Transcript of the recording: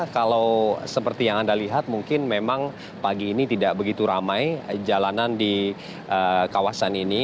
kalau seperti yang anda lihat mungkin memang pagi ini tidak begitu ramai jalanan di kawasan ini